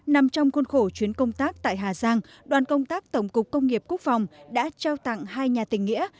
nằm trong khuôn khổ chuyến công tác tại hà giang đoàn công tác tổng cục công nghiệp quốc phòng đã trao tặng hai nhà tình nghĩa